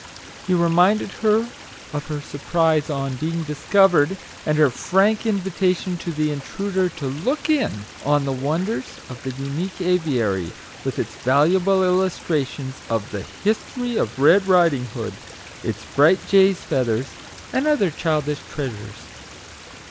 He reminded her of her surprise on being discovered, and her frank invitation to the intruder to " look in " on the wonders of the unique aviary, with its valuable illustrations of the " History of Red Riding Hood," its bright jay's feathers, and other childish treasures